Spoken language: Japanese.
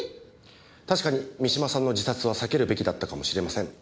確かに三島さんの自殺は避けるべきだったかもしれません。